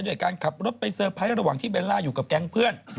ด้วยการขับรถไปเซอร์ไพรส์ระหว่างที่เบลล่าอยู่กับแก๊งเพื่อน